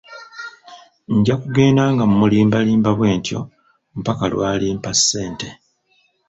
Nja kugenda nga mulimbalimba bwentyo mpaka lwalimpa ssente.